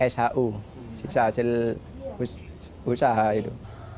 shu siksa hasil usaha itu